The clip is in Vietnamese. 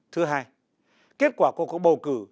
thứ hai kết quả của cuộc bầu cử